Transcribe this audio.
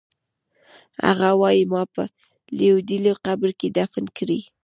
هغه وایی ما په لوېدلي قبر کې دفن کړئ